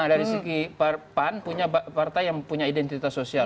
nah dari segi pan punya partai yang punya identitas sosial